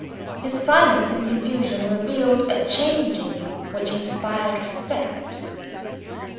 His silence and confusion revealed a change in him which inspired respect.